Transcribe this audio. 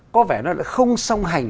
có vẻ nó lại không song hành